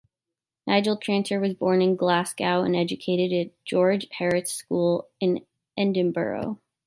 Nigel Tranter was born in Glasgow and educated at George Heriot's School in Edinburgh.